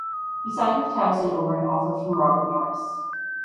He signed with Towson over an offer from Robert Morris.